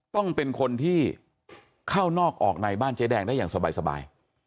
ต้องเป็นคนที่เข้านอกออกในบ้านเจ๊แดงได้อย่างสบาย